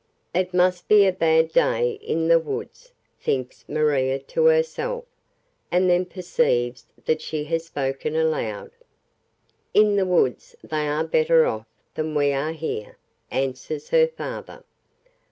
"It must be a bad day in the woods!" thinks Maria to herself; and then perceives that she has spoken aloud. "In the woods they are better off than we are here," answers her father.